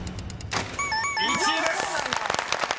［１位です！］